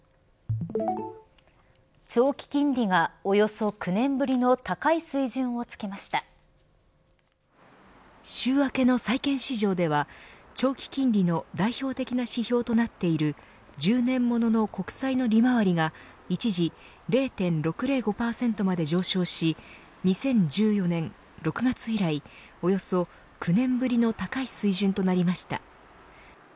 長期金利がおよそ９年ぶりの高い水準を週明けの債券市場では長期金利の代表的な指標となっている１０年物の国債の利回りが一時０．６０５％まで上昇し２０１４年６月以来およそ９年ぶりの高い水準となりました。